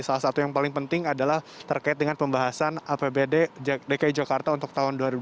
salah satu yang paling penting adalah terkait dengan pembahasan apbd dki jakarta untuk tahun dua ribu dua puluh